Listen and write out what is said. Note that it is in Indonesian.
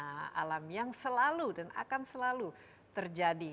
bencana alam yang selalu dan akan selalu terjadi